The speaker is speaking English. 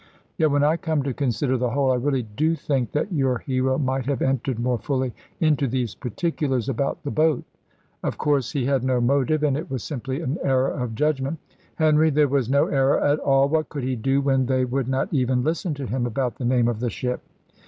Yet when I come to consider the whole, I really do think that your hero might have entered more fully into these particulars about the boat. Of course, he had no motive, and it was simply an error of judgment " "Henry, there was no error at all. What could he do when they would not even listen to him about the name of the ship?